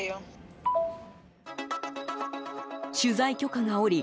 取材許可が下り